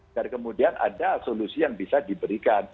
biar kemudian ada solusi yang bisa diberikan